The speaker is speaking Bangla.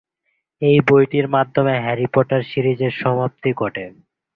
এ বইটির মাধ্যমে হ্যারি পটার সিরিজের সমাপ্তি ঘটে।